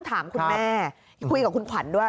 ถามคุณแม่คุยกับคุณขวัญด้วย